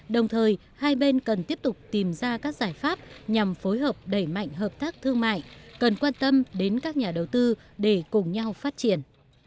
đồng thời hai bên cần tiếp tục tìm ra các giải pháp nhằm phối hợp đẩy mạnh hợp tác thương mại cần quan tâm đến các nhà đầu tư để cùng nhau phát triển